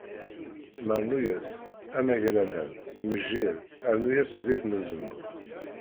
Marnuyet, amagraman, mejjir rnu-as ɣer zzit n uzemmur.